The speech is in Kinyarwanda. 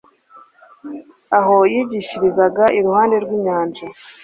aho yigishirizaga iruhande rw'inyanja.